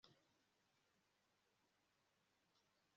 areba umukobwa we, aramubwira ati